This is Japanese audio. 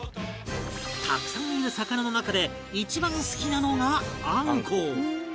たくさんいる魚の中で一番好きなのがアンコウ